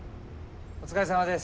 お疲れさまです。